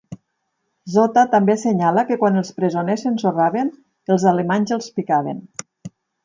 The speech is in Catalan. Zotta també assenyala que quan els presoners s'ensorraven, els alemanys els picaven.